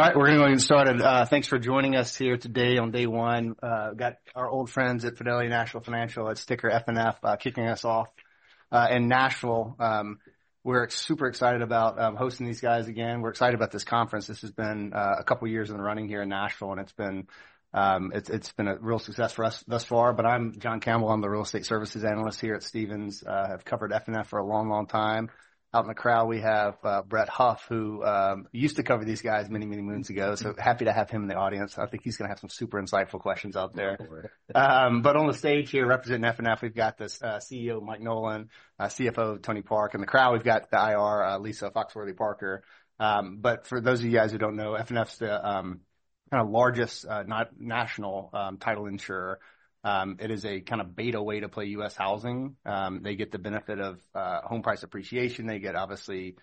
All right, we're going to go ahead and start. Thanks for joining us here today on day one. We've got our old friends at Fidelity National Financial, ticker FNF, kicking us off in Nashville. We're super excited about hosting these guys again. We're excited about this conference. This has been a couple of years in the running here in Nashville, and it's been a real success for us thus far. But I'm John Campbell. I'm the Real Estate Services Analyst here at Stephens. I've covered FNF for a long, long time. Out in the crowd, we have Brett Huff, who used to cover these guys many, many moons ago. So happy to have him in the audience. I think he's going to have some super insightful questions out there. But on the stage here, representing FNF, we've got the CEO Mike Nolan, CFO Tony Park. In the crowd, we've got the IR, Lisa Foxworthy-Parker. But for those of you guys who don't know, FNF is the kind of largest national title insurer. It is a kind of beta way to play U.S. housing. They get the benefit of home price appreciation. They get obviously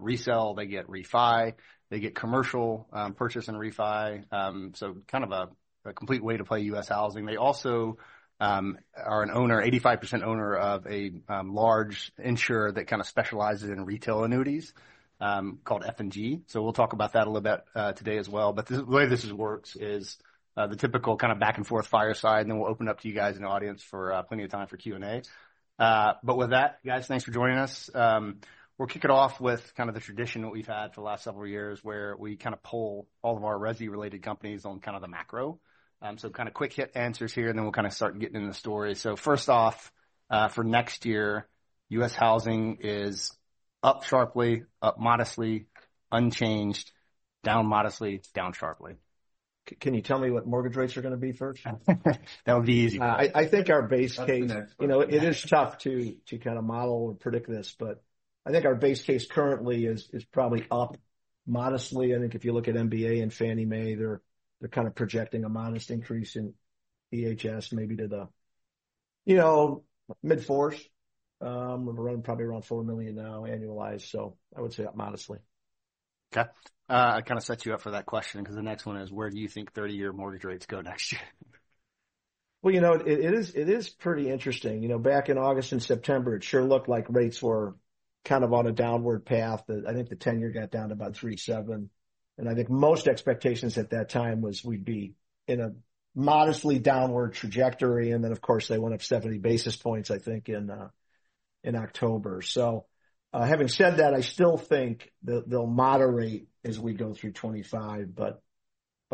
resale. They get refi. They get commercial purchase and refi. So kind of a complete way to play U.S. housing. They also are an owner, 85% owner of a large insurer that kind of specializes in retail annuities called F&G. So we'll talk about that a little bit today as well. But the way this works is the typical kind of back-and-forth fireside, and then we'll open it up to you guys in the audience for plenty of time for Q&A. But with that, guys, thanks for joining us. We'll kick it off with kind of the tradition that we've had for the last several years, where we kind of pull all of our resi-related companies on kind of the macro. So kind of quick hit answers here, and then we'll kind of start getting into the story. So first off, for next year, U.S. housing is up sharply, up modestly, unchanged, down modestly, down sharply. Can you tell me what mortgage rates are going to be first? That would be easy. I think our base case, you know, it is tough to kind of model or predict this, but I think our base case currently is probably up modestly. I think if you look at MBA and Fannie Mae, they're kind of projecting a modest increase in EHS, maybe to the, you know, mid-fours. We're running probably around four million now annualized. So I would say up modestly. Okay. I kind of set you up for that question because the next one is, where do you think 30-year mortgage rates go next year? You know, it is pretty interesting. You know, back in August and September, it sure looked like rates were kind of on a downward path. I think the 10-year got down to about 3.7. And I think most expectations at that time was we'd be in a modestly downward trajectory. And then, of course, they went up 70 basis points, I think, in October. So having said that, I still think they'll moderate as we go through 2025. But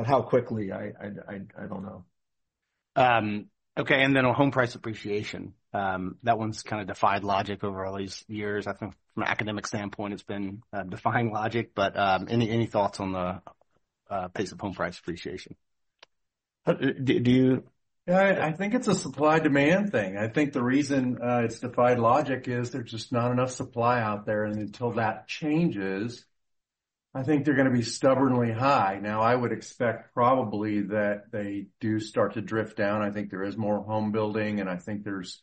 how quickly, I don't know. Okay. And then on home price appreciation, that one's kind of defied logic over all these years. I think from an academic standpoint, it's been defying logic. But any thoughts on the pace of home price appreciation? Do you? Yeah, I think it's a supply-demand thing. I think the reason it's defied logic is there's just not enough supply out there. And until that changes, I think they're going to be stubbornly high. Now, I would expect probably that they do start to drift down. I think there is more home building. And I think there's,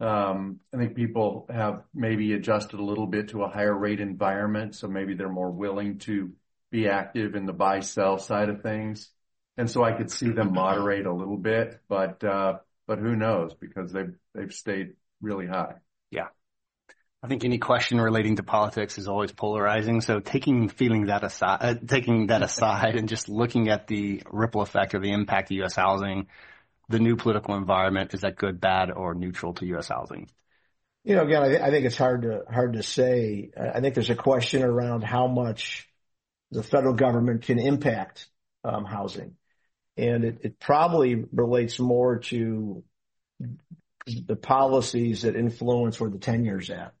I think people have maybe adjusted a little bit to a higher rate environment. So maybe they're more willing to be active in the buy-sell side of things. And so I could see them moderate a little bit. But who knows? Because they've stayed really high. Yeah. I think any question relating to politics is always polarizing. So, taking feelings aside and just looking at the ripple effect of the impact of U.S. housing, the new political environment, is that good, bad, or neutral to U.S. housing? You know, again, I think it's hard to say. I think there's a question around how much the federal government can impact housing, and it probably relates more to the policies that influence where the 10-year's at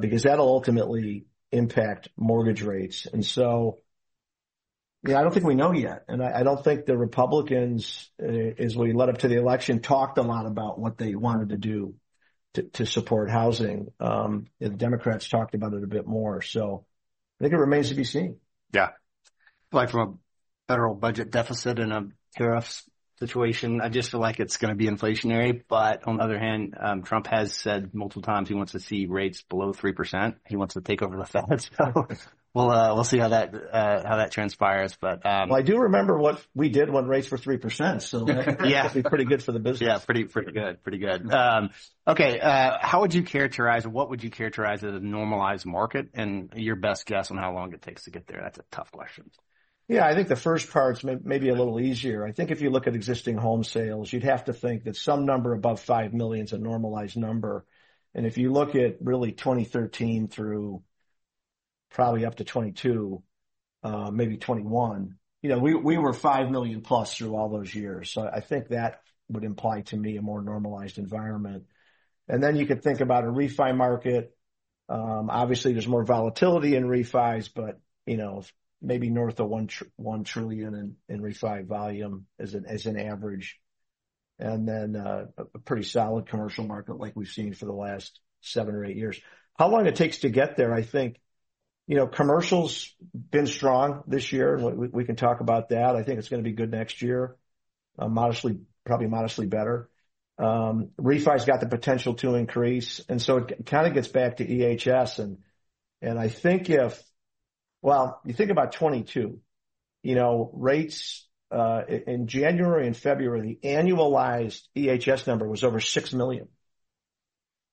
because that'll ultimately impact mortgage rates, and so, yeah, I don't think we know yet, and I don't think the Republicans, as we led up to the election, talked a lot about what they wanted to do to support housing. The Democrats talked about it a bit more, so I think it remains to be seen. Yeah. Like from a federal budget deficit and a tariffs situation, I just feel like it's going to be inflationary. But on the other hand, Trump has said multiple times he wants to see rates below 3%. He wants to take over the Fed. So we'll see how that transpires. I do remember what we did when rates were 3%. That would be pretty good for the business. Yeah, pretty good. Pretty good. Okay. How would you characterize, what would you characterize as a normalized market and your best guess on how long it takes to get there? That's a tough question. Yeah, I think the first part's maybe a little easier. I think if you look at existing home sales, you'd have to think that some number above five million is a normalized number. And if you look at really 2013 through probably up to 2022, maybe 2021, you know, we were five million plus through all those years. So I think that would imply to me a more normalized environment. And then you could think about a refi market. Obviously, there's more volatility in refis, but, you know, maybe north of $1 trillion in refi volume as an average. And then a pretty solid commercial market like we've seen for the last seven or eight years. How long it takes to get there, I think, you know, commercials have been strong this year. We can talk about that. I think it's going to be good next year, probably modestly better. Refi's got the potential to increase, and so it kind of gets back to EHS, and I think if, well, you think about 2022, you know, rates in January and February, the annualized EHS number was over 6 million.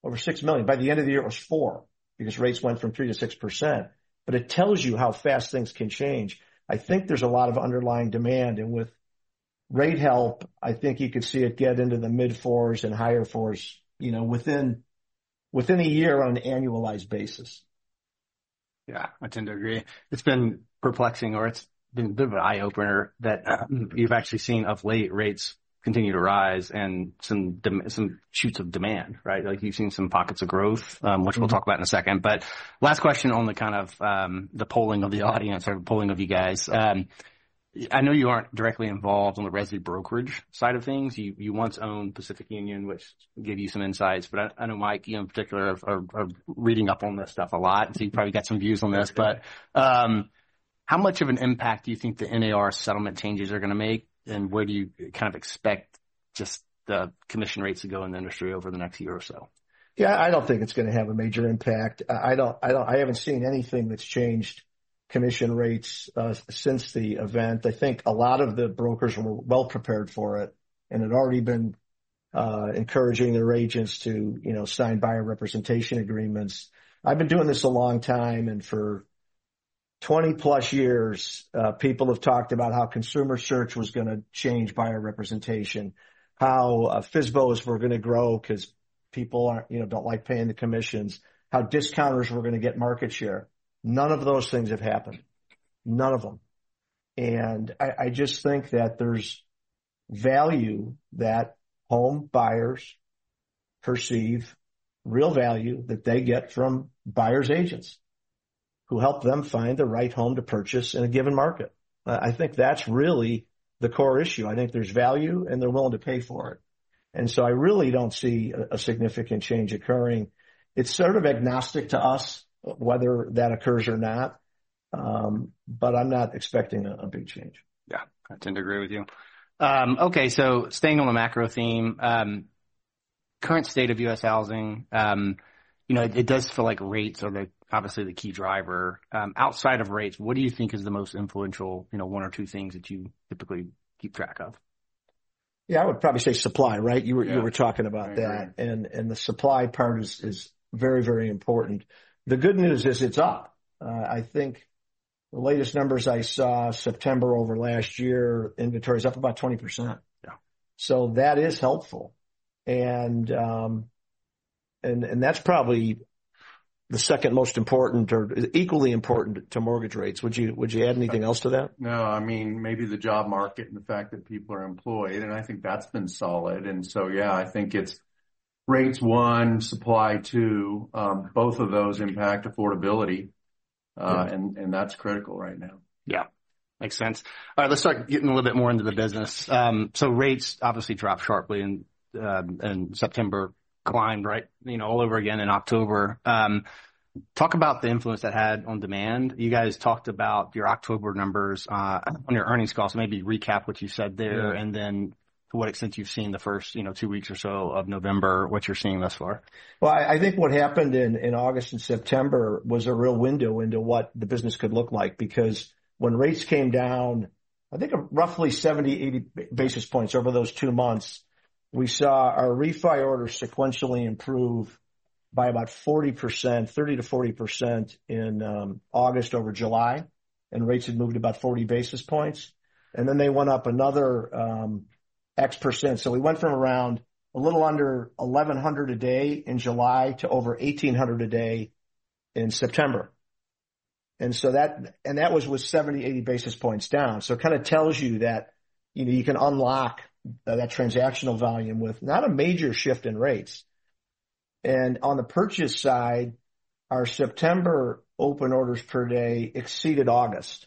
Over 6 million. By the end of the year, it was 4 because rates went from 3%-6%, but it tells you how fast things can change. I think there's a lot of underlying demand, and with rate help, I think you could see it get into the mid-fours and higher fours, you know, within a year on an annualized basis. Yeah, I tend to agree. It's been perplexing, or it's been a bit of an eye-opener that you've actually seen of late rates continue to rise and some shoots of demand, right? Like you've seen some pockets of growth, which we'll talk about in a second. But last question on the kind of the polling of the audience or the polling of you guys. I know you aren't directly involved on the resi brokerage side of things. You once owned Pacific Union, which gave you some insights. But I know Mike, you in particular, are reading up on this stuff a lot. So you've probably got some views on this. But how much of an impact do you think the NAR settlement changes are going to make? And where do you kind of expect just the commission rates to go in the industry over the next year or so? Yeah, I don't think it's going to have a major impact. I haven't seen anything that's changed commission rates since the event. I think a lot of the brokers were well prepared for it, and it had already been encouraging their agents to, you know, sign buyer representation agreements. I've been doing this a long time, and for 20-plus years, people have talked about how consumer search was going to change buyer representation, how FSBOs were going to grow because people aren't, you know, don't like paying the commissions, how discounters were going to get market share. None of those things have happened. None of them. I just think that there's value that home buyers perceive, real value that they get from buyers' agents who help them find the right home to purchase in a given market. I think that's really the core issue. I think there's value, and they're willing to pay for it. And so I really don't see a significant change occurring. It's sort of agnostic to us whether that occurs or not. But I'm not expecting a big change. Yeah, I tend to agree with you. Okay. So staying on the macro theme, current state of U.S. housing, you know, it does feel like rates are obviously the key driver. Outside of rates, what do you think is the most influential, you know, one or two things that you typically keep track of? Yeah, I would probably say supply, right? You were talking about that and the supply part is very, very important. The good news is it's up. I think the latest numbers I saw, September over last year, inventory's up about 20%. That is helpful and that's probably the second most important or equally important to mortgage rates. Would you add anything else to that? No, I mean, maybe the job market and the fact that people are employed. And I think that's been solid. And so, yeah, I think it's rates one, supply two, both of those impact affordability. And that's critical right now. Yeah. Makes sense. All right, let's start getting a little bit more into the business. So rates obviously dropped sharply in September, climbed right, you know, all over again in October. Talk about the influence that had on demand. You guys talked about your October numbers on your earnings call. So maybe recap what you said there and then to what extent you've seen the first, you know, two weeks or so of November, what you're seeing thus far. Well, I think what happened in August and September was a real window into what the business could look like. Because when rates came down, I think roughly 70-80 basis points over those two months, we saw our refi orders sequentially improve by about 40%, 30%-40% in August over July. And rates had moved about 40 basis points. And then they went up another X%. So we went from around a little under 1,100 a day in July to over 1,800 a day in September. And that was with 70-80 basis points down. So it kind of tells you that, you know, you can unlock that transactional volume with not a major shift in rates. And on the purchase side, our September open orders per day exceeded August.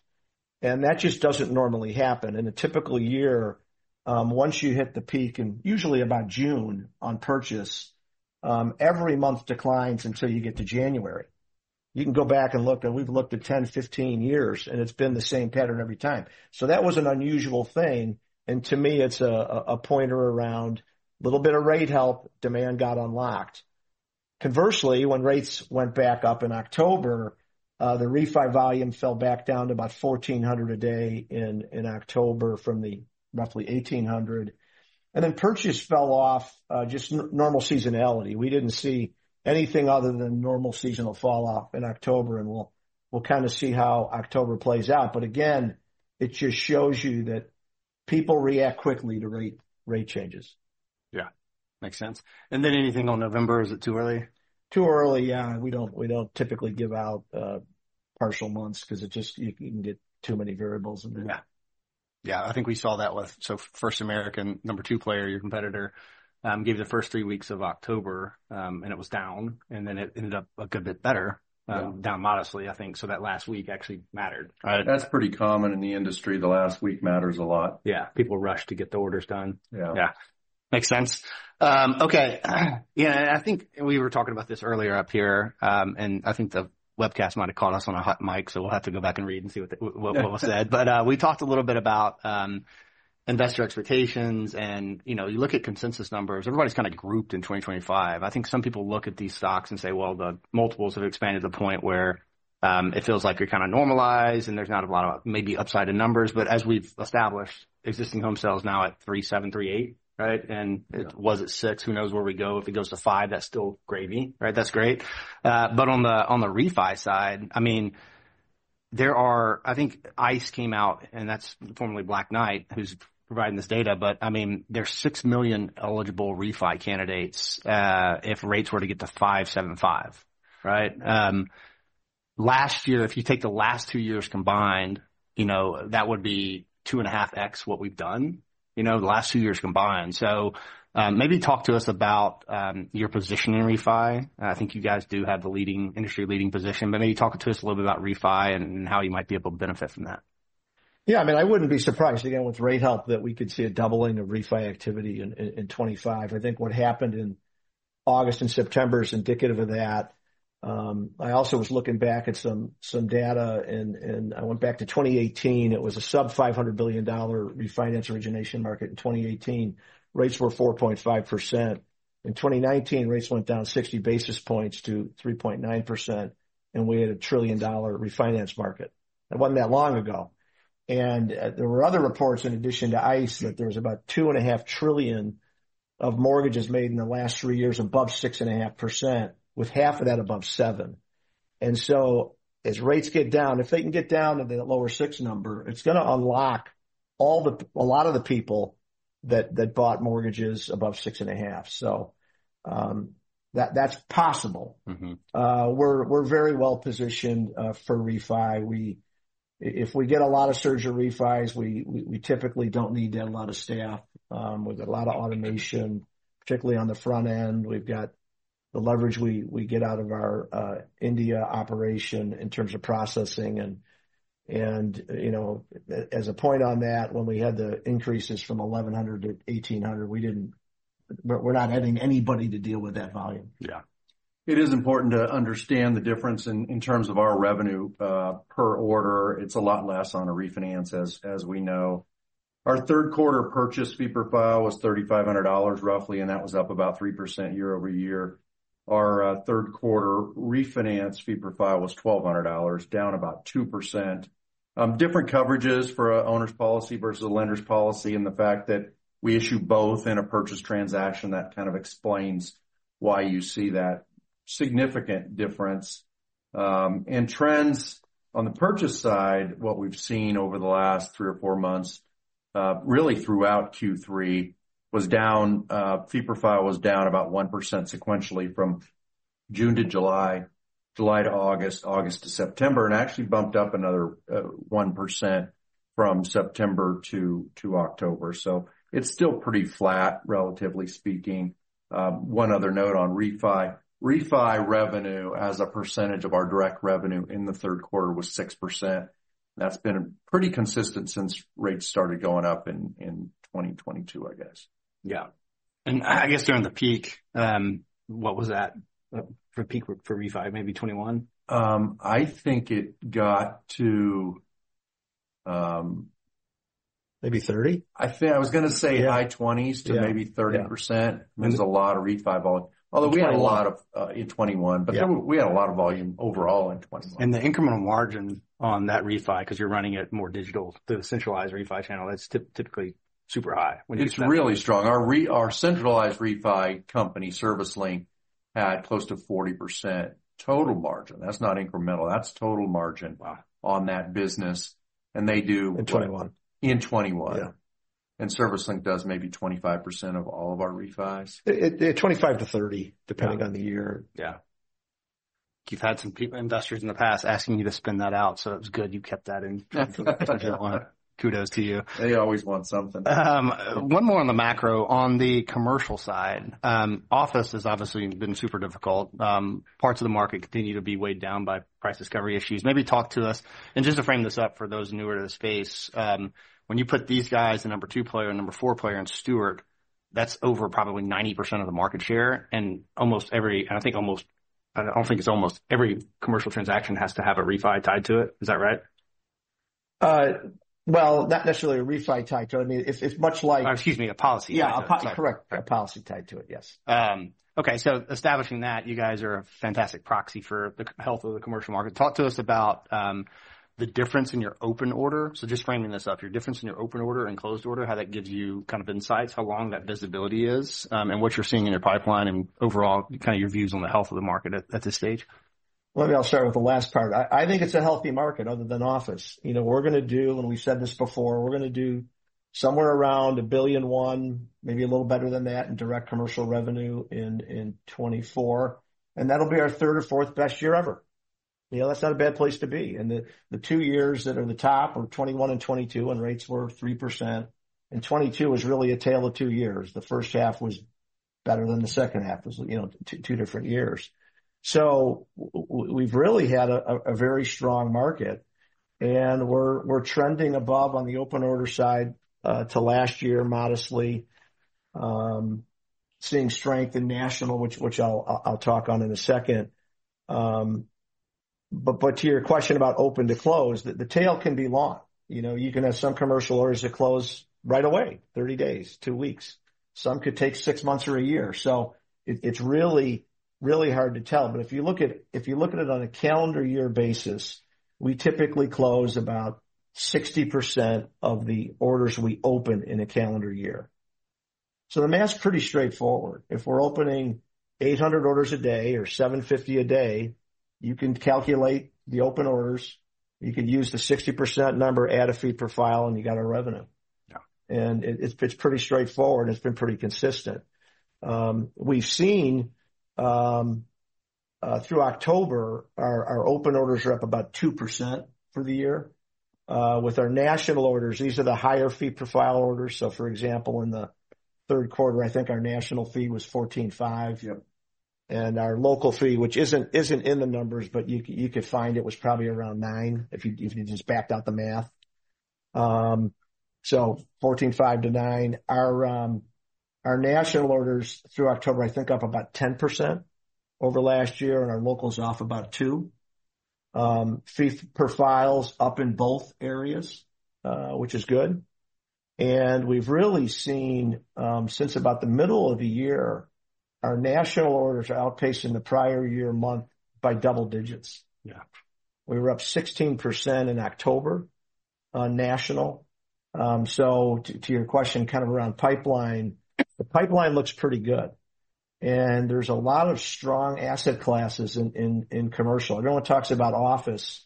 And that just doesn't normally happen. In a typical year, once you hit the peak and usually about June on purchase, every month declines until you get to January. You can go back and look. And we've looked at 10, 15 years, and it's been the same pattern every time. So that was an unusual thing. And to me, it's a pointer around a little bit of rate help, demand got unlocked. Conversely, when rates went back up in October, the refi volume fell back down to about 1,400 a day in October from the roughly 1,800. And then purchase fell off just normal seasonality. We didn't see anything other than normal seasonal falloff in October. And we'll kind of see how October plays out. But again, it just shows you that people react quickly to rate changes. Yeah. Makes sense. And then anything on November, is it too early? Too early, yeah. We don't typically give out partial months because it just, you can get too many variables in there. Yeah. Yeah, I think we saw that with, so First American, number two player, your competitor, gave the first three weeks of October, and it was down. And then it ended up a good bit better, down modestly, I think. So that last week actually mattered. That's pretty common in the industry. The last week matters a lot. Yeah. People rush to get the orders done. Yeah. Makes sense. Okay. Yeah, I think we were talking about this earlier up here, and I think the webcast might have caught us on a hot mic. So we'll have to go back and read and see what was said, but we talked a little bit about investor expectations, and, you know, you look at consensus numbers. Everybody's kind of grouped in 2025. I think some people look at these stocks and say, well, the multiples have expanded to the point where it feels like you're kind of normalized, and there's not a lot of maybe upside in numbers. But as we've established, existing home sales now at 3.7, 3.8, right, and was it 6? Who knows where we go? If it goes to 5, that's still gravy, right? That's great. But on the refi side, I mean, there are, I think ICE came out, and that's formerly Black Knight, who's providing this data. But I mean, there's six million eligible refi candidates if rates were to get to 5.75, right? Last year, if you take the last two years combined, you know, that would be 2.5x what we've done, you know, the last two years combined. So maybe talk to us about your position in refi. I think you guys do have the leading industry leading position. But maybe talk to us a little bit about refi and how you might be able to benefit from that. Yeah. I mean, I wouldn't be surprised, again, with rate help that we could see a doubling of refi activity in 2025. I think what happened in August and September is indicative of that. I also was looking back at some data, and I went back to 2018. It was a sub-$500 billion refinance origination market in 2018. Rates were 4.5%. In 2019, rates went down 60 basis points to 3.9%, and we had a $1 trillion refinance market. That wasn't that long ago, and there were other reports in addition to ICE that there was about $2.5 trillion of mortgages made in the last three years above 6.5%, with half of that above 7%. And so as rates get down, if they can get down to the lower 6 number, it's going to unlock a lot of the people that bought mortgages above 6.5%. So that's possible. We're very well positioned for refi. If we get a lot of surge of refis, we typically don't need to have a lot of staff. We've got a lot of automation, particularly on the front end. We've got the leverage we get out of our India operation in terms of processing. And, you know, as a point on that, when we had the increases from 1,100 to 1,800, we didn't, we're not having anybody to deal with that volume. Yeah. It is important to understand the difference in terms of our revenue per order. It's a lot less on a refinance, as we know. Our third quarter purchase fee profile was $3,500 roughly. And that was up about 3% year-over-year. Our third quarter refinance fee profile was $1,200, down about 2%. Different coverages for owners' policy versus lenders' policy and the fact that we issue both in a purchase transaction, that kind of explains why you see that significant difference. And trends on the purchase side, what we've seen over the last three or four months, really throughout Q3, was down, fee profile was down about 1% sequentially from June to July, July to August, August to September, and actually bumped up another 1% from September to October. So it's still pretty flat, relatively speaking. One other note on refi. Refi revenue as a percentage of our direct revenue in the third quarter was 6%. That's been pretty consistent since rates started going up in 2022, I guess. Yeah. And I guess during the peak, what was that for peak for refi, maybe 21%? I think it got to. Maybe 30? I think I was going to say high 20s to maybe 30%. It was a lot of refi, although we had a lot of in 2021, but we had a lot of volume overall in 2021. The incremental margin on that refi, because you're running it more digital, the centralized refi channel, that's typically super high. It's really strong. Our centralized refi company, ServiceLink, had close to 40% total margin. That's not incremental. That's total margin on that business, and they do. In 2021. In 2021. Yeah, and ServiceLink does maybe 25% of all of our refis. 25-30, depending on the year. Yeah. You've had some investors in the past asking you to spin that out. So it was good you kept that in. Kudos to you. They always want something. One more on the macro. On the commercial side, office has obviously been super difficult. Parts of the market continue to be weighed down by price discovery issues. Maybe talk to us. And just to frame this up for those newer to the space, when you put these guys in number two player and number four player and Stewart, that's over probably 90% of the market share. And I think it's almost every commercial transaction has to have a refi tied to it. Is that right? Not necessarily a refi tied to it. I mean, it's much like. Excuse me, a policy. Yeah, a policy, correct. A policy tied to it, yes. Okay, so establishing that, you guys are a fantastic proxy for the health of the commercial market. Talk to us about the difference in your open order, so just framing this up, your difference in your open order and closed order, how that gives you kind of insights, how long that visibility is, and what you're seeing in your pipeline and overall kind of your views on the health of the market at this stage. Maybe I'll start with the last part. I think it's a healthy market other than office. You know, we're going to do, and we said this before, we're going to do somewhere around $1.1 billion, maybe a little better than that in direct commercial revenue in 2024. And that'll be our third or fourth best year ever. You know, that's not a bad place to be. And the two years that are the top are 2021 and 2022, and rates were 3%. And 2022 was really a tale of two years. The first half was better than the second half, you know, two different years. So we've really had a very strong market. And we're trending above on the open order side to last year, modestly, seeing strength in national, which I'll talk on in a second. But to your question about open to close, the tail can be long. You know, you can have some commercial orders that close right away, 30 days, two weeks. Some could take six months or a year. So it's really, really hard to tell. But if you look at it on a calendar year basis, we typically close about 60% of the orders we open in a calendar year. So the math's pretty straightforward. If we're opening 800 orders a day or 750 a day, you can calculate the open orders. You can use the 60% number, add a fee profile, and you got a revenue. And it's pretty straightforward. It's been pretty consistent. We've seen through October, our open orders are up about 2% for the year. With our national orders, these are the higher fee profile orders. So for example, in the third quarter, I think our national fee was $14.05. And our local fee, which isn't in the numbers, but you could find it was probably around $9 if you just backed out the math. So $14.05 to $9. Our national orders through October, I think up about 10% over last year. And our locals off about 2%. Fee profiles up in both areas, which is good. And we've really seen since about the middle of the year, our national orders are outpacing the prior year month by double digits. We were up 16% in October on national. So to your question, kind of around pipeline, the pipeline looks pretty good. And there's a lot of strong asset classes in commercial. Everyone talks about office.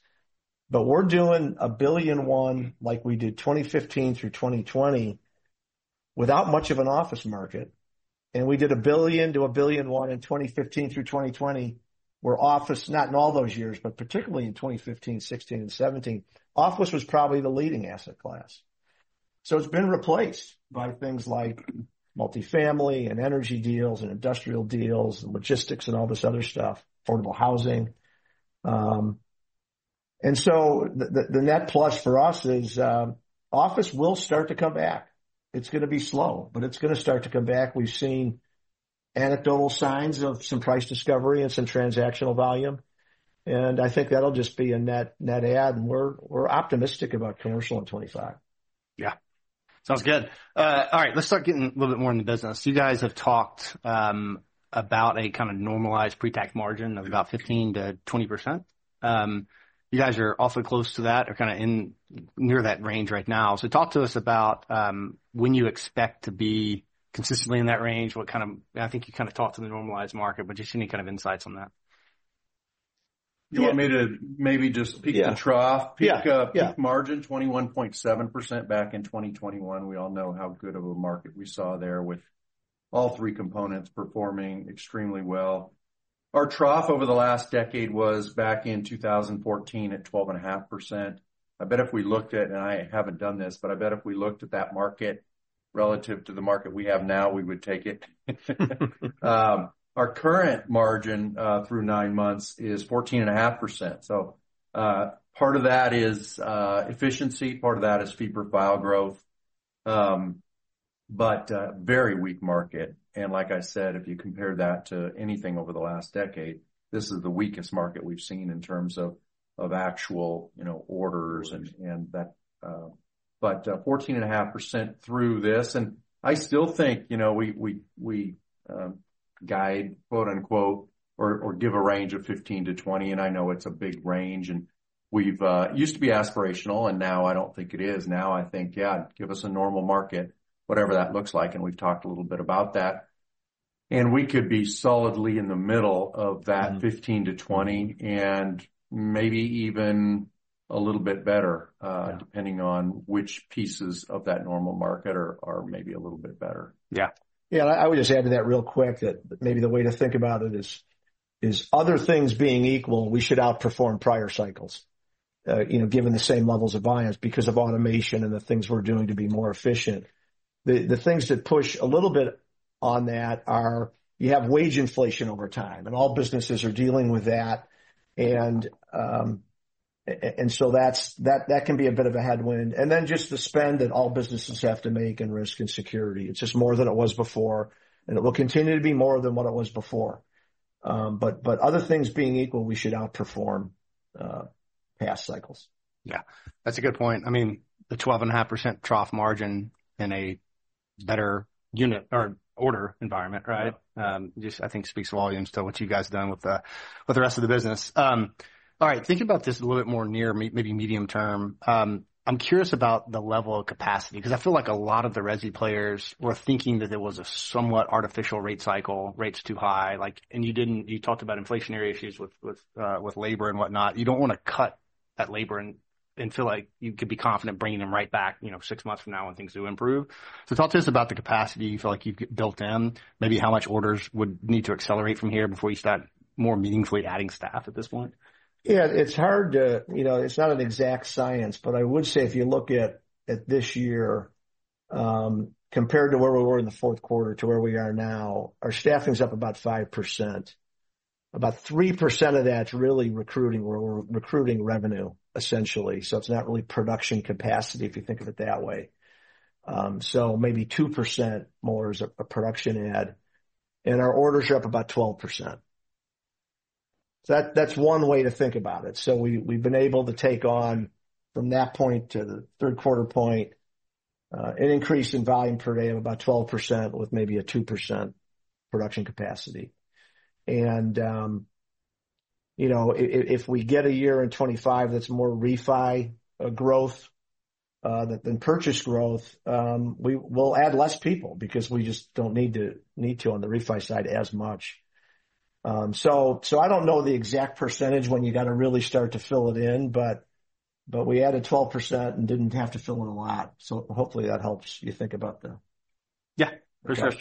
But we're doing a billion one like we did 2015 through 2020 without much of an office market. And we did $1 billion-$1.1 billion in 2015 through 2020, where office, not in all those years, but particularly in 2015, 2016, and 2017, office was probably the leading asset class. So it's been replaced by things like multifamily and energy deals and industrial deals and logistics and all this other stuff, affordable housing. And so the net plus for us is office will start to come back. It's going to be slow, but it's going to start to come back. We've seen anecdotal signs of some price discovery and some transactional volume. And I think that'll just be a net add. And we're optimistic about commercial in 2025. Yeah. Sounds good. All right. Let's start getting a little bit more into business. You guys have talked about a kind of normalized pre-tax margin of about 15%-20%. You guys are awfully close to that or kind of near that range right now. So talk to us about when you expect to be consistently in that range, what kind of, and I think you kind of talked to the normalized market, but just any kind of insights on that. You want me to maybe just peek the trough? Yeah. Peak margin 21.7% back in 2021. We all know how good of a market we saw there with all three components performing extremely well. Our trough over the last decade was back in 2014 at 12.5%. I bet if we looked at, and I haven't done this, but I bet if we looked at that market relative to the market we have now, we would take it. Our current margin through nine months is 14.5%. So part of that is efficiency. Part of that is fee profile growth. But very weak market. Like I said, if you compare that to anything over the last decade, this is the weakest market we've seen in terms of actual, you know, orders and that. But 14.5% through this. I still think, you know, we guide, quote unquote, or give a range of 15%-20%. I know it's a big range. We've used to be aspirational. Now I don't think it is. Now I think, yeah, give us a normal market, whatever that looks like. We've talked a little bit about that. We could be solidly in the middle of that 15-20 and maybe even a little bit better, depending on which pieces of that normal market are maybe a little bit better. Yeah. Yeah. I would just add to that real quick that maybe the way to think about it is other things being equal, we should outperform prior cycles, you know, given the same levels of volumes because of automation and the things we're doing to be more efficient. The things that push a little bit on that are you have wage inflation over time. And all businesses are dealing with that. And so that can be a bit of a headwind. And then just the spend that all businesses have to make and risk and security. It's just more than it was before. And it will continue to be more than what it was before. But other things being equal, we should outperform past cycles. Yeah. That's a good point. I mean, the 12.5% trough margin in a better unit or order environment, right? Just I think speaks volumes to what you guys have done with the rest of the business. All right. Thinking about this a little bit more near maybe medium term, I'm curious about the level of capacity because I feel like a lot of the rescue players were thinking that it was a somewhat artificial rate cycle, rates too high. Like, and you didn't, you talked about inflationary issues with labor and whatnot. You don't want to cut that labor and feel like you could be confident bringing them right back, you know, six months from now when things do improve. Talk to us about the capacity you feel like you've built in, maybe how much orders would need to accelerate from here before you start more meaningfully adding staff at this point. Yeah. It's hard to, you know, it's not an exact science, but I would say if you look at this year compared to where we were in the fourth quarter to where we are now, our staffing is up about 5%. About 3% of that's really recruiting revenue, essentially. So it's not really production capacity if you think of it that way. So maybe 2% more is a production add. And our orders are up about 12%. So that's one way to think about it. So we've been able to take on from that point to the third quarter point, an increase in volume per day of about 12% with maybe a 2% production capacity. And, you know, if we get a year in 2025 that's more refi growth than purchase growth, we'll add less people because we just don't need to on the refi side as much. So I don't know the exact percentage when you got to really start to fill it in, but we added 12% and didn't have to fill it a lot. So hopefully that helps you think about the. Yeah. For sure.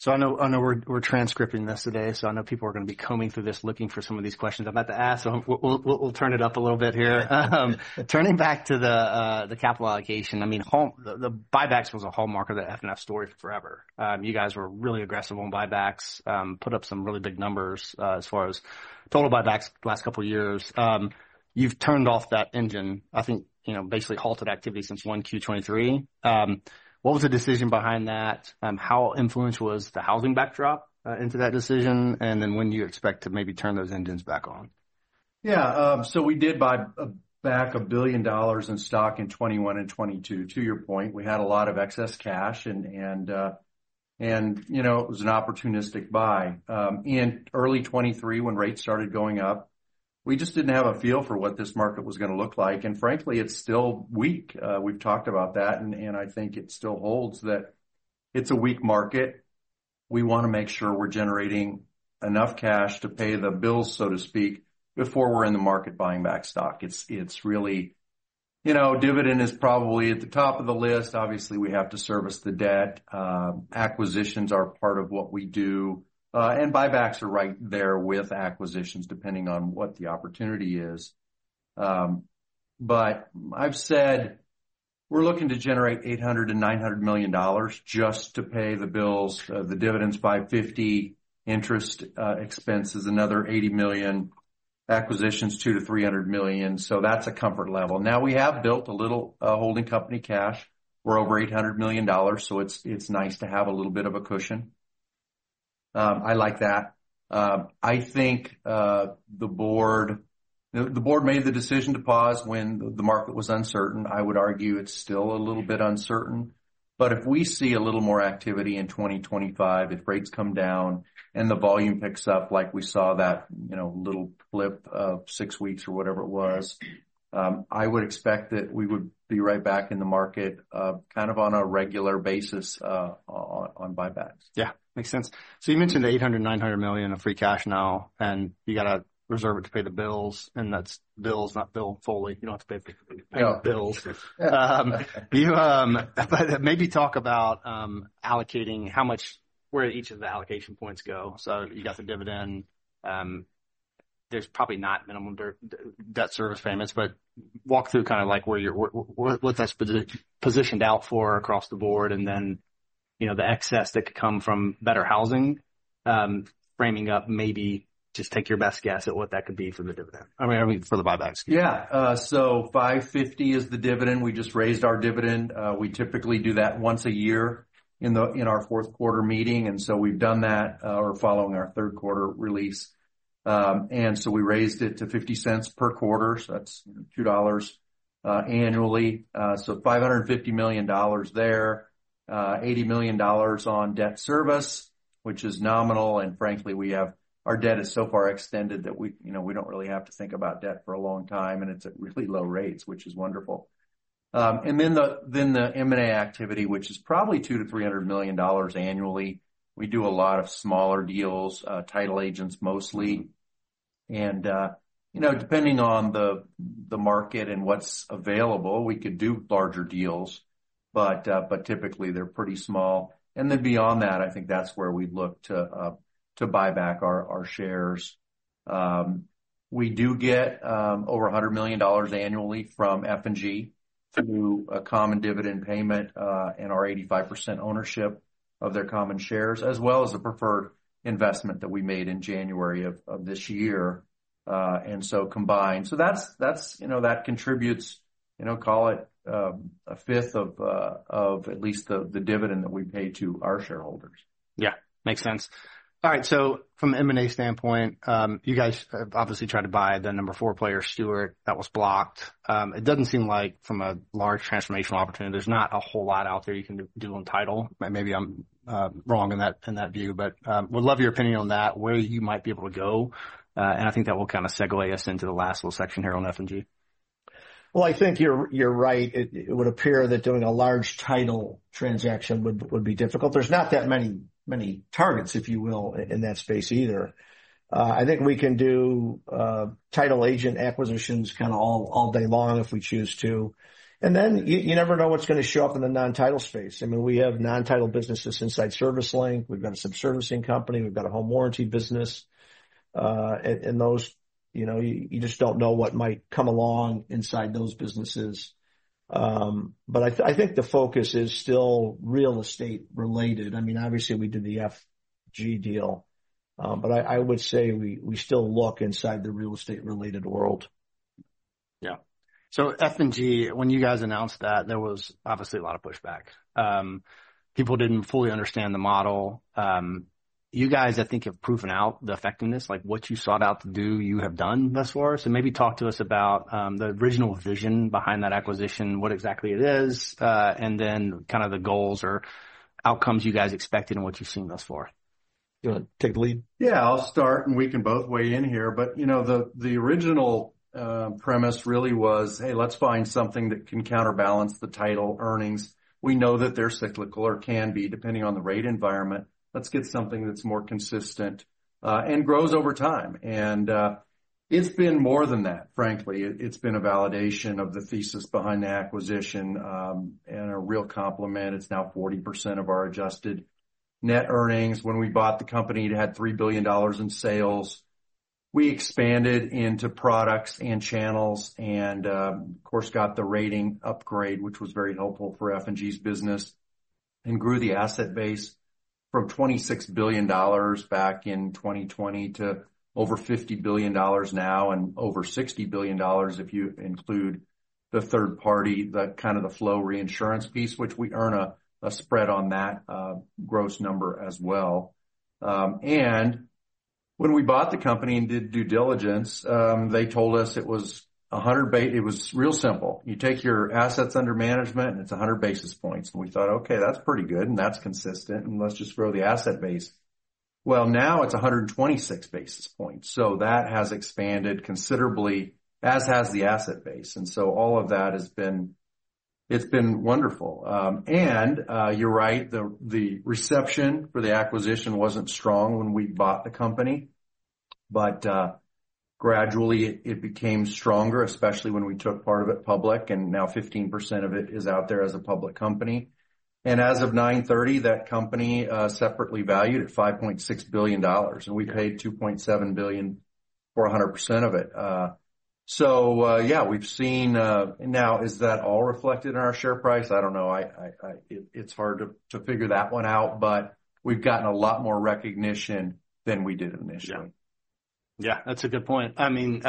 So I know we're transcribing this today. So I know people are going to be combing through this looking for some of these questions I'm about to ask. So we'll turn it up a little bit here. Turning back to the capital allocation, I mean, the buybacks was a hallmark of the FNF story forever. You guys were really aggressive on buybacks, put up some really big numbers as far as total buybacks last couple of years. You've turned off that engine, I think, you know, basically halted activity since 1Q23. What was the decision behind that? How influential was the housing backdrop into that decision? And then when do you expect to maybe turn those engines back on? Yeah, so we did buy back $1 billion in stock in 2021 and 2022. To your point, we had a lot of excess cash, and, you know, it was an opportunistic buy. In early 2023, when rates started going up, we just didn't have a feel for what this market was going to look like, and frankly, it's still weak. We've talked about that, and I think it still holds that it's a weak market. We want to make sure we're generating enough cash to pay the bills, so to speak, before we're in the market buying back stock. It's really, you know, dividend is probably at the top of the list. Obviously, we have to service the debt. Acquisitions are part of what we do, and buybacks are right there with acquisitions depending on what the opportunity is. But I've said we're looking to generate $800 million-$900 million just to pay the bills, the dividends by 50%. Interest expenses another $80 million. Acquisitions $200 million-$300 million. So that's a comfort level. Now we have built a little holding company cash. We're over $800 million. So it's nice to have a little bit of a cushion. I like that. I think the board made the decision to pause when the market was uncertain. I would argue it's still a little bit uncertain. But if we see a little more activity in 2025, if rates come down and the volume picks up like we saw that, you know, little flip of six weeks or whatever it was, I would expect that we would be right back in the market kind of on a regular basis on buybacks. Yeah. Makes sense. You mentioned $800 million-$900 million of free cash flow, and you got to reserve it to pay the bills. That's bills, not fully. You don't have to pay the bills, but maybe talk about allocating how much, where each of the allocation points go. You got the dividend. There's probably no minimum debt service payments, but walk through kind of like what that's positioned for across the board. Then, you know, the excess that could come from better housing. Framing up, maybe just take your best guess at what that could be for the dividend. I mean, for the buybacks. Yeah. So $550 million is the dividend. We just raised our dividend. We typically do that once a year in our fourth quarter meeting, and so we've done that or following our third quarter release, and so we raised it to $0.50 per quarter. So that's $2 annually. So $550 million there, $80 million on debt service, which is nominal, and frankly, we have our debt is so far extended that we, you know, we don't really have to think about debt for a long time, and it's at really low rates, which is wonderful, and then the M&A activity, which is probably $200 million-$300 million annually. We do a lot of smaller deals, title agents mostly, and, you know, depending on the market and what's available, we could do larger deals, but typically they're pretty small. And then beyond that, I think that's where we look to buy back our shares. We do get over $100 million annually from F&G through a common dividend payment and our 85% ownership of their common shares, as well as the preferred investment that we made in January of this year. And so combined. So that's, you know, that contributes, you know, call it a fifth of at least the dividend that we pay to our shareholders. Yeah. Makes sense. All right. So from an M&A standpoint, you guys have obviously tried to buy the number four player, Stewart. That was blocked. It doesn't seem like from a large transformational opportunity, there's not a whole lot out there you can do on title. Maybe I'm wrong in that view, but would love your opinion on that, where you might be able to go. And I think that will kind of segue us into the last little section here on F&G. I think you're right. It would appear that doing a large title transaction would be difficult. There's not that many targets, if you will, in that space either. I think we can do title agent acquisitions kind of all day long if we choose to. Then you never know what's going to show up in the non-title space. I mean, we have non-title businesses inside ServiceLink. We've got a subservicing company. We've got a home warranty business. Those, you know, you just don't know what might come along inside those businesses. I think the focus is still real estate-related. I mean, obviously we did the F&G deal, but I would say we still look inside the real estate-related world. Yeah. So F&G, when you guys announced that, there was obviously a lot of pushback. People didn't fully understand the model. You guys, I think, have proven out the effectiveness, like what you sought out to do, you have done thus far. So maybe talk to us about the original vision behind that acquisition, what exactly it is, and then kind of the goals or outcomes you guys expected and what you've seen thus far. Do you want to take the lead? Yeah. I'll start and we can both weigh in here, but you know, the original premise really was, hey, let's find something that can counterbalance the title earnings. We know that they're cyclical or can be depending on the rate environment. Let's get something that's more consistent and grows over time, and it's been more than that, frankly. It's been a validation of the thesis behind the acquisition and a real complement. It's now 40% of our adjusted net earnings. When we bought the company, it had $3 billion in sales. We expanded into products and channels and, of course, got the rating upgrade, which was very helpful for F&G's business and grew the asset base from $26 billion back in 2020 to over $50 billion now and over $60 billion if you include the third party, the kind of the flow reinsurance piece, which we earn a spread on that gross number as well. And when we bought the company and did due diligence, they told us it was 100, it was real simple. You take your assets under management and it's 100 basis points. And we thought, okay, that's pretty good and that's consistent and let's just grow the asset base. Well, now it's 126 basis points. So that has expanded considerably, as has the asset base. And so all of that has been, it's been wonderful. You're right, the reception for the acquisition wasn't strong when we bought the company. But gradually it became stronger, especially when we took part of it public. And now 15% of it is out there as a public company. And as of 9/30, that company separately valued at $5.6 billion. And we paid $2.7 billion for 100% of it. So yeah, we've seen now, is that all reflected in our share price? I don't know. It's hard to figure that one out, but we've gotten a lot more recognition than we did initially. Yeah. Yeah. That's a good point. I mean,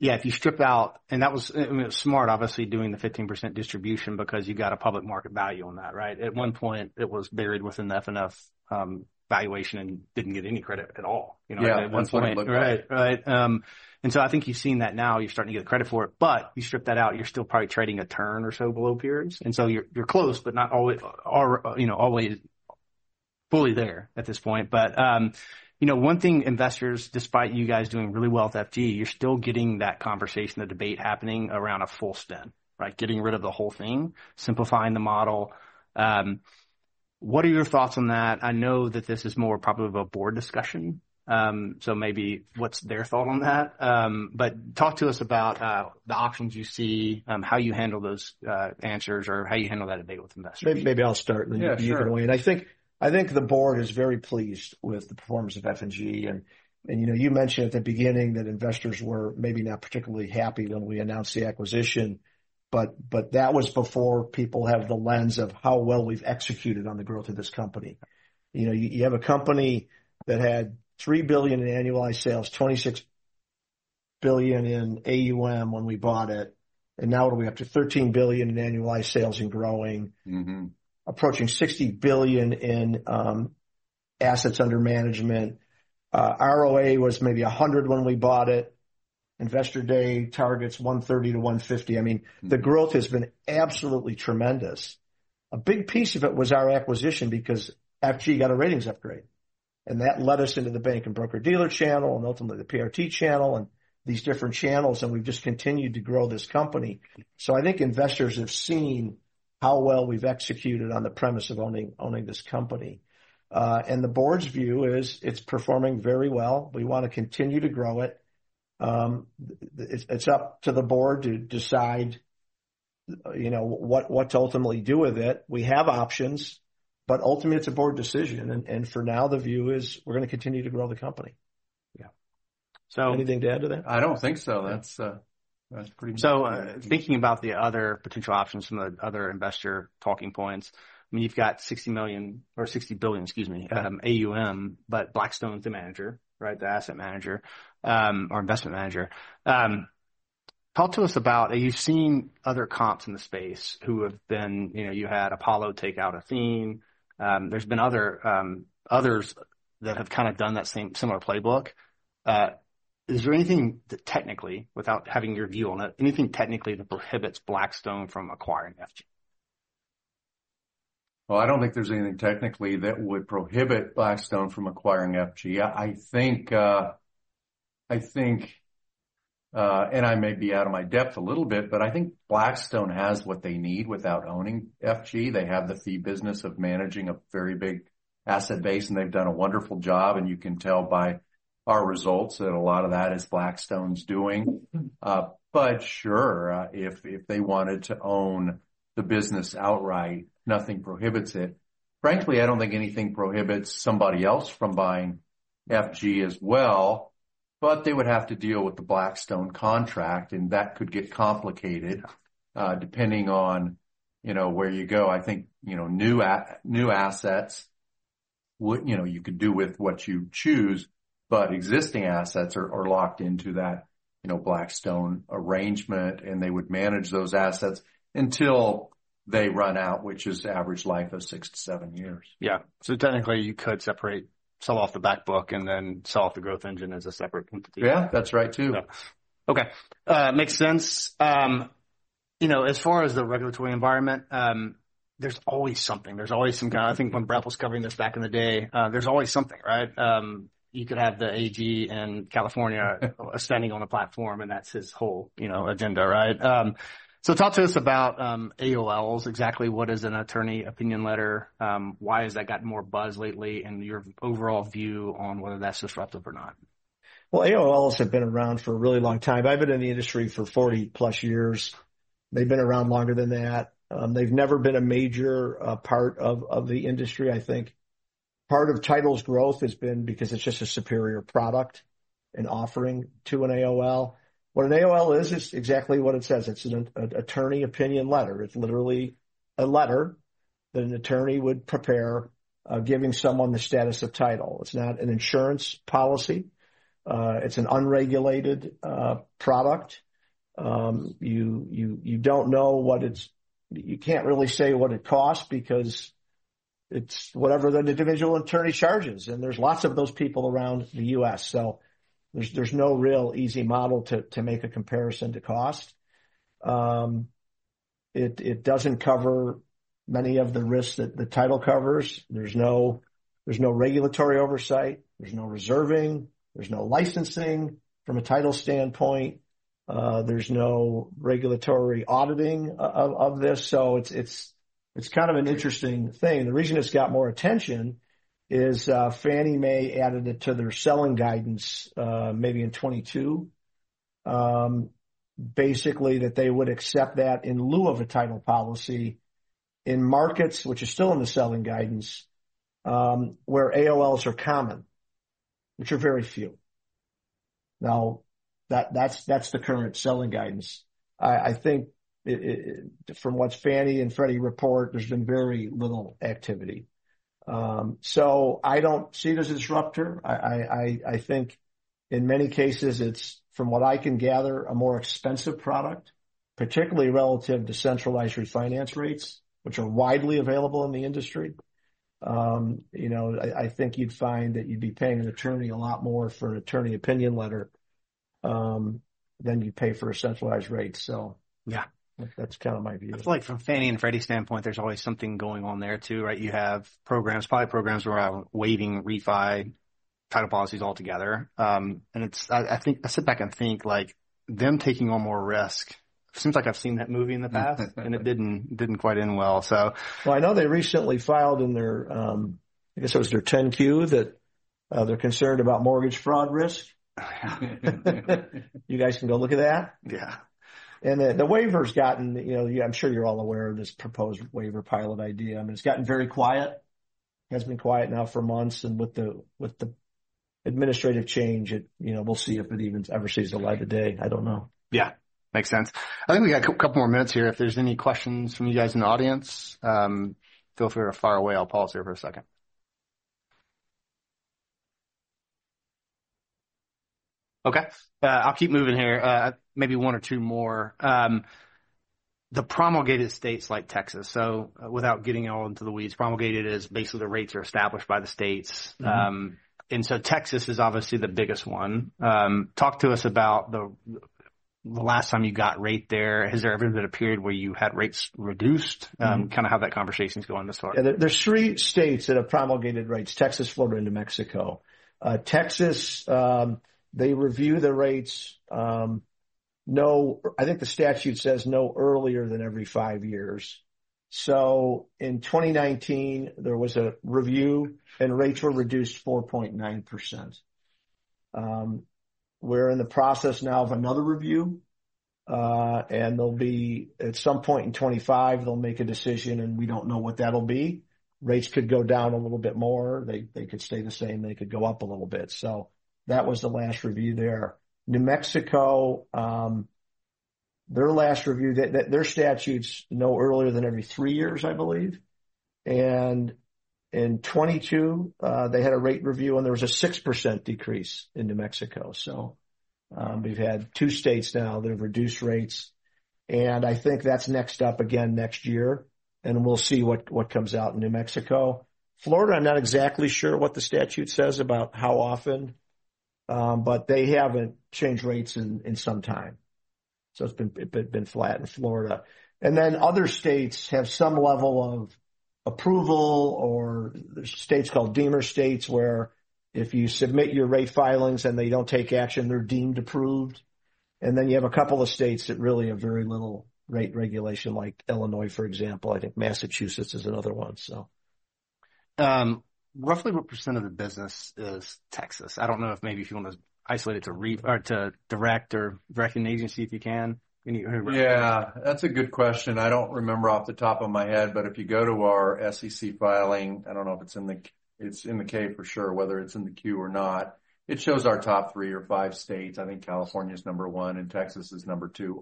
yeah, if you strip out, and that was smart, obviously doing the 15% distribution because you got a public market value on that, right? At one point, it was buried within the FNF valuation and didn't get any credit at all. You know, at one point. Yeah. It looked good. Right. Right. And so I think you've seen that now. You're starting to get credit for it. But you strip that out, you're still probably trading a turn or so below peers. And so you're close, but not, you know, always fully there at this point. But, you know, one thing investors, despite you guys doing really well with F&G, you're still getting that conversation, the debate happening around a full spin-off, right? Getting rid of the whole thing, simplifying the model. What are your thoughts on that? I know that this is more probably of a board discussion. So maybe what's their thought on that? But talk to us about the options you see, how you handle those answers or how you handle that debate with investors. Maybe I'll start and then you can weigh in. I think the board is very pleased with the performance of F&G. And, you know, you mentioned at the beginning that investors were maybe not particularly happy when we announced the acquisition. But that was before people have the lens of how well we've executed on the growth of this company. You know, you have a company that had $3 billion in annualized sales, $26 billion in AUM when we bought it. And now we're up to $13 billion in annualized sales and growing, approaching $60 billion in assets under management. ROA was maybe 100 when we bought it. Investor Day targets $130 to $150. I mean, the growth has been absolutely tremendous. A big piece of it was our acquisition because F&G got a ratings upgrade. And that led us into the bank and broker-dealer channel and ultimately the PRT channel and these different channels. And we've just continued to grow this company. So I think investors have seen how well we've executed on the premise of owning this company. And the board's view is it's performing very well. We want to continue to grow it. It's up to the board to decide, you know, what to ultimately do with it. We have options, but ultimately it's a board decision. And for now, the view is we're going to continue to grow the company. Yeah. So. Anything to add to that? I don't think so. That's pretty much it. So thinking about the other potential options from the other investor talking points, I mean, you've got $60 million or $60 billion, excuse me, AUM, but Blackstone's the manager, right? The asset manager or investment manager. Talk to us about, have you seen other comps in the space who have been, you know, you had Apollo take out Athene. There's been others that have kind of done that same similar playbook. Is there anything technically, without having your view on it, anything technically that prohibits Blackstone from acquiring F&G? Well, I don't think there's anything technically that would prohibit Blackstone from acquiring F&G. I think, and I may be out of my depth a little bit, but I think Blackstone has what they need without owning F&G. They have the fee business of managing a very big asset base. And they've done a wonderful job. And you can tell by our results that a lot of that is Blackstone's doing. But sure, if they wanted to own the business outright, nothing prohibits it. Frankly, I don't think anything prohibits somebody else from buying F&G as well. But they would have to deal with the Blackstone contract. And that could get complicated depending on, you know, where you go. I think, you know, new assets, you know, you could do with what you choose. But existing assets are locked into that, you know, Blackstone arrangement. They would manage those assets until they run out, which is average life of six-to-seven years. Yeah, so technically you could separate, sell off the backbook and then sell off the growth engine as a separate entity. Yeah. That's right too. Okay. Makes sense. You know, as far as the regulatory environment, there's always something. There's always some kind of, I think when Brett was covering this back in the day, there's always something, right? You could have the AG in California standing on a platform. And that's his whole, you know, agenda, right? So talk to us about AOLs, exactly what is an attorney opinion letter? Why has that gotten more buzz lately? And your overall view on whether that's disruptive or not? AOLs have been around for a really long time. I've been in the industry for 40 plus years. They've been around longer than that. They've never been a major part of the industry, I think. Part of title's growth has been because it's just a superior product and offering to an AOL. What an AOL is, it's exactly what it says. It's an attorney opinion letter. It's literally a letter that an attorney would prepare giving someone the status of title. It's not an insurance policy. It's an unregulated product. You don't know what it's, you can't really say what it costs because it's whatever that individual attorney charges. And there's lots of those people around the U.S. So there's no real easy model to make a comparison to cost. It doesn't cover many of the risks that the title covers. There's no regulatory oversight. There's no reserving. There's no licensing from a title standpoint. There's no regulatory auditing of this. So it's kind of an interesting thing. The reason it's got more attention is Fannie Mae added it to their selling guidance maybe in 2022, basically that they would accept that in lieu of a title policy in markets, which is still in the selling guidance, where AOLs are common, which are very few. Now, that's the current selling guidance. I think from what Fannie and Freddie report, there's been very little activity. So I don't see it as a disruptor. I think in many cases, it's, from what I can gather, a more expensive product, particularly relative to centralized refinance rates, which are widely available in the industry. You know, I think you'd find that you'd be paying an attorney a lot more for an attorney opinion letter than you'd pay for a centralized rate. So yeah, that's kind of my view. I feel like from Fannie and Freddie standpoint, there's always something going on there too, right? You have programs, probably programs around waiving refi title policies altogether. And it's, I think I sit back and think like them taking on more risk, it seems like I've seen that movie in the past and it didn't quite end well. So. I know they recently filed in their, I guess it was their 10-Q that they're concerned about mortgage fraud risk. Yeah. You guys can go look at that. Yeah. And the waiver's gotten, you know. I'm sure you're all aware of this proposed waiver pilot idea. I mean, it's gotten very quiet. It has been quiet now for months. And with the administrative change, you know, we'll see if it even ever sees the light of day. I don't know. Yeah. Makes sense. I think we got a couple more minutes here. If there's any questions from you guys in the audience, feel free to fire away. I'll pause here for a second. Okay. I'll keep moving here. Maybe one or two more. The promulgated states like Texas. So without getting it all into the weeds, promulgated is basically the rates are established by the states. And so Texas is obviously the biggest one. Talk to us about the last time you got rate there. Has there ever been a period where you had rates reduced? Kind of how that conversation's going this far. Yeah. There's three states that have promulgated rates, Texas, Florida, and New Mexico. Texas, they review the rates. No, I think the statute says no earlier than every five years. So in 2019, there was a review and rates were reduced 4.9%. We're in the process now of another review. And they'll be at some point in 2025, they'll make a decision and we don't know what that'll be. Rates could go down a little bit more. They could stay the same. They could go up a little bit. So that was the last review there. New Mexico, their last review, their statute's no earlier than every three years, I believe. And in 2022, they had a rate review and there was a 6% decrease in New Mexico. So we've had two states now that have reduced rates. And I think that's next up again next year. We'll see what comes out in New Mexico. Florida, I'm not exactly sure what the statute says about how often, but they haven't changed rates in some time. It's been flat in Florida. Other states have some level of approval or there's states called deemer states where if you submit your rate filings and they don't take action, they're deemed approved. You have a couple of states that really have very little rate regulation, like Illinois, for example. I think Massachusetts is another one, so. Roughly what percentage of the business is Texas? I don't know if maybe you want to isolate it to direct or direct and agency if you can. Yeah. That's a good question. I don't remember off the top of my head. But if you go to our SEC filing, I don't know if it's in the, it's in the K for sure, whether it's in the Q or not. It shows our top three or five states. I think California's number one and Texas is number two.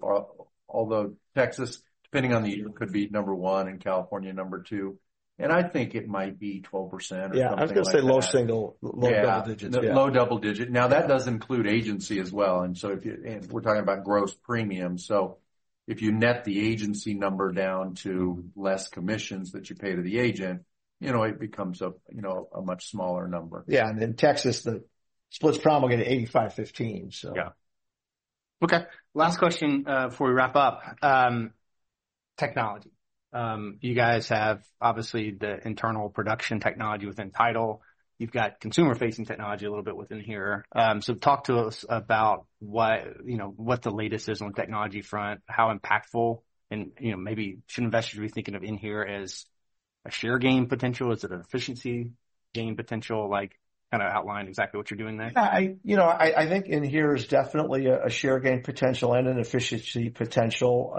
Although Texas, depending on the year, could be number one and California number two. And I think it might be 12% or something like that. Yeah. I was going to say low single, low double digits. Yeah. Low double digit. Now, that does include agency as well. And so if you, and we're talking about gross premium. So if you net the agency number down to less commissions that you pay to the agent, you know, it becomes a, you know, a much smaller number. Yeah. And in Texas, the rates promulgate at 85/15, so. Yeah. Okay. Last question before we wrap up. Technology. You guys have obviously the internal production technology within title. You've got consumer-facing technology a little bit inHere. So talk to us about what, you know, what the latest is on technology front, how impactful and, you know, maybe should investors be thinking of inHere as a share gain potential? Is it an efficiency gain potential? Like kind of outline exactly what you're doing there. Yeah. I, you know, I think inHere is definitely a share gain potential and an efficiency potential.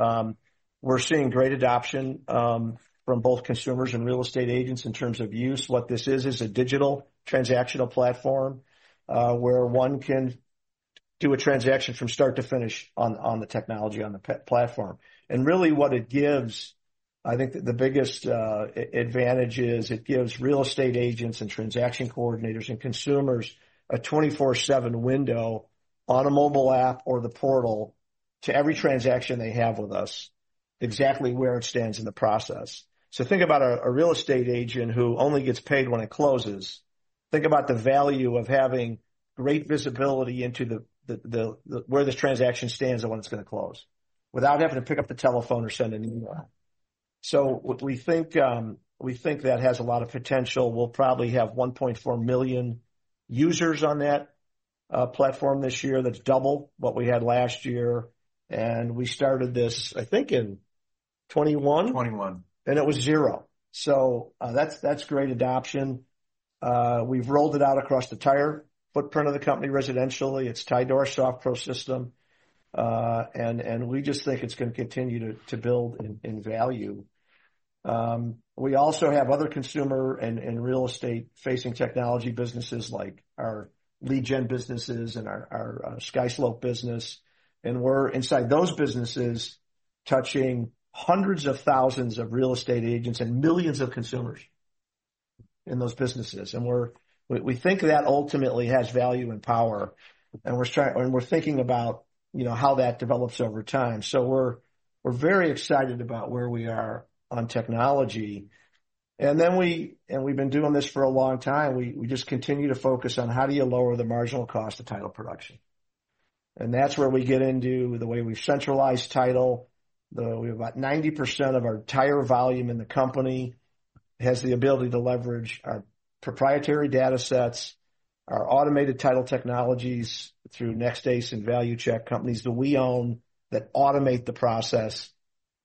We're seeing great adoption from both consumers and real estate agents in terms of use. What this is, is a digital transaction platform where one can do a transaction from start to finish on the technology on the platform, and really what it gives, I think the biggest advantage is it gives real estate agents and transaction coordinators and consumers a 24/7 window on a mobile app or the portal to every transaction they have with us, exactly where it stands in the process, so think about a real estate agent who only gets paid when it closes. Think about the value of having great visibility into where this transaction stands and when it's going to close without having to pick up the telephone or send an email. So we think that has a lot of potential. We'll probably have 1.4 million users on that platform this year, that's double what we had last year. And we started this, I think, in 2021. 2021. It was zero. So that's great adoption. We've rolled it out across the entire footprint of the company residentially. It's the SoftPro system. And we just think it's going to continue to build in value. We also have other consumer and real estate-facing technology businesses like our lead gen businesses and our SkySlope business. And we're inside those businesses touching hundreds of thousands of real estate agents and millions of consumers in those businesses. And we think that ultimately has value and power. And we're trying, and we're thinking about, you know, how that develops over time. So we're very excited about where we are on technology. And then we, and we've been doing this for a long time. We just continue to focus on how do you lower the marginal cost of title production. And that's where we get into the way we've centralized title. We have about 90% of our entire volume in the company has the ability to leverage our proprietary data sets, our automated title technologies through NextAce and ValueCheck companies that we own that automate the process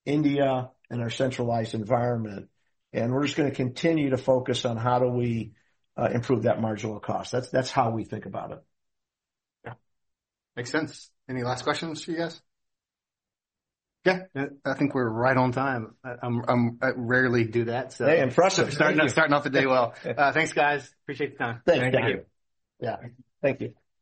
in India and our centralized environment. We're just going to continue to focus on how do we improve that marginal cost. That's how we think about it. Yeah. Makes sense. Any last questions for you guys? Yeah. I think we're right on time. I rarely do that, so. Hey, impressive. Starting off the day well. Thanks, guys. Appreciate the time. Thanks. Thank you. Yeah. Thank you.